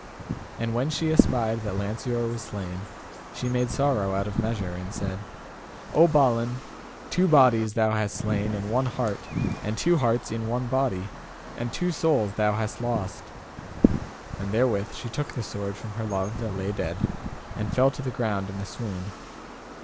And when she espied that Lanceor was slain, she made sorrow out of measure, and said, O Balin, two bodies thou hast slain and one heart, and two hearts in one body, and two souls thou hast lost. And therewith she took the sword from her love that lay dead, and fell to the ground in a swoon.